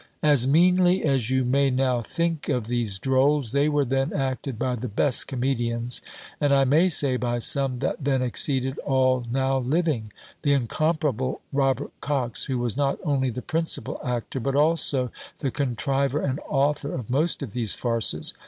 "As meanly as you may now think of these Drolls, they were then acted by the best comedians; and, I may say, by some that then exceeded all now living; the incomparable Robert Cox, who was not only the principal actor, but also the contriver and author of most of these farces.